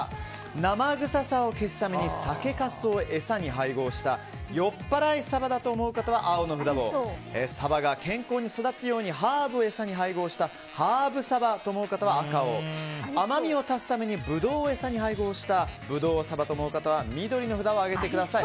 生臭さを消すために酒かすを餌に配合したよっぱらいサバだと思う方は青の札をサバが健康に育つようにハーブを餌に配合したハーブサバと思う方は赤の札を甘みを足すためにブドウを餌に配合したぶどうサバと思う方は緑の札を上げてください。